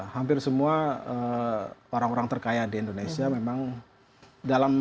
hampir semua orang orang terkaya di indonesia memang dalam